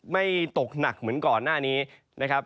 ไม่ตกหนักเหมือนก่อนหน้านี้นะครับ